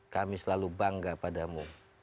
kami selalu bangga padamu